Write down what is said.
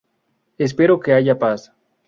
Espero que haya paz".